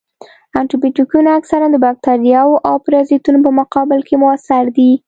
انټي بیوټیکونه اکثراً د باکتریاوو او پرازیتونو په مقابل کې موثر دي.